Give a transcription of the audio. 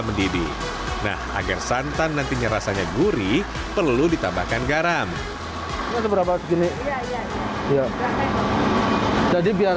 mendidih nah agar santan nantinya rasanya gurih perlu ditambahkan garam seberapa gini ya jadi biar